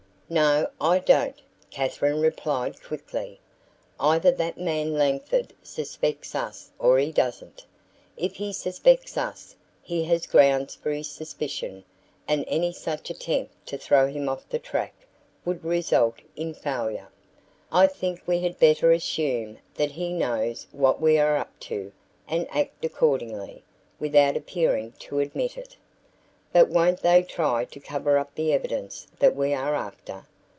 "No, I don't," Katherine replied quickly. "Either that man Langford suspects us or he doesn't. If he suspects us, he has grounds for his suspicion, and any such attempt to throw him off the track would result in failure. I think we had better assume that he knows what we are up to and act accordingly, without appearing to admit it." "But won't they try to cover up the evidence that we are after?"